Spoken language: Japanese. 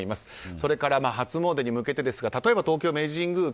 それから初詣に向けてですが例えば、東京・明治神宮